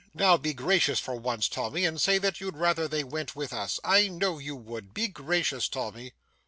'Now be gracious for once, Tommy, and say that you'd rather they went with us. I know you would. Be gracious, Tommy.